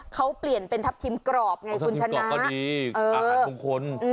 เขาเปลี่ยนเป็นทัพทิมกรอบไงคุณชนะอาหารมงคล